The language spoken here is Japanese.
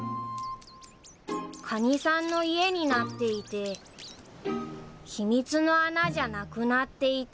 カニさんの家になっていて秘密の穴じゃなくなっていた